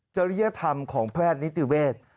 เจริญญาธรรมของแพทย์นิติเวศ